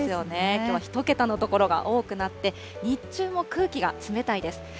きょうは１桁の所が多くなって、日中も空気が冷たいです。